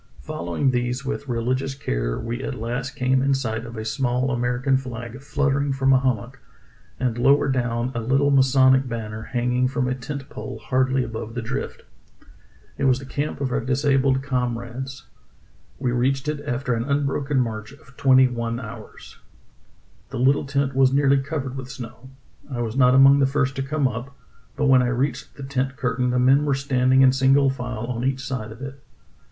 Following these with religious care, we at last came in sight of a small Amer ican flag fluttering from a hummock, and lower down a little masonic banner hanging from a tent pole hardly above the drift. It was the camp of our disabled com I02 True Tales of Arctic Heroism rades; we reached it after an unbroken march of twenty one hours. "The httle tent was nearly covered with snow. I was not among the first to come up; but when I reached the tent curtain the men were standing in single file on each side of it.